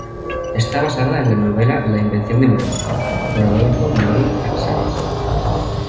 Está basada en la novela "La Invención de Morel" por Adolfo Bioy Casares.